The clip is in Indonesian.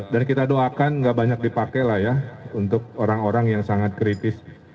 dan kita doakan nggak banyak dipakai lah ya untuk orang orang yang sangat kritis